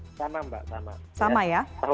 ini jadi salah satu kewajiban dari pemerintah arab saudi